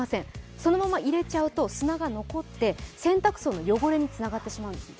そのまま入れちゃうと砂が残って洗濯槽の汚れにつながってしまうんです。